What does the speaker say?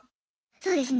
そうですね。